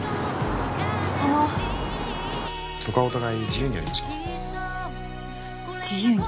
あのそこはお互い自由にやりましょう自由に？